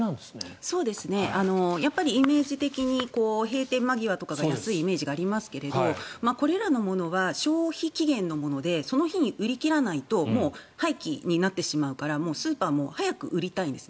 やっぱりイメージ的に閉店間際とかが安いイメージがありますがこれらのものは消費期限のものでその日に売り切らないともう廃棄になってしまうからスーパーも早く売りたいんです。